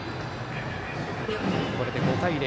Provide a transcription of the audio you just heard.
これで５対０。